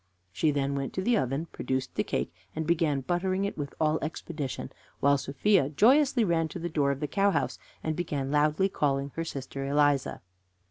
She then went to the oven, produced the cake, and began buttering it with all expedition, while Sophia joyously ran to the door of the cow house, and began loudly calling her sister Eliza.